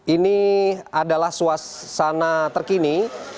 ini adalah suasana terkini